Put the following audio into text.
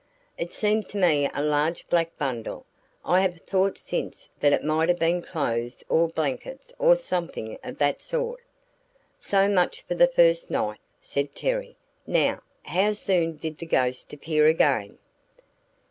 "It seemed to be a large black bundle. I have thought since that it might have been clothes or blankets or something of that sort." "So much for the first night," said Terry. "Now, how soon did the ghost appear again?"